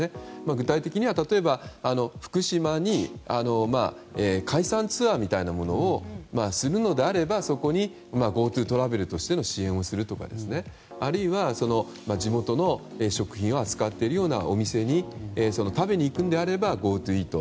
具体的には例えば、福島に海産ツアーみたいなものをするのであれば、そこにＧｏＴｏトラベルしての支援をするとかあるいは、地元の食品を扱っているようなお店に食べに行くのであればＧｏＴｏイート。